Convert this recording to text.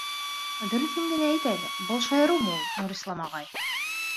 Дөрөҫөн генә әйт әле, был шаярыумы ул, Нурислам ағай?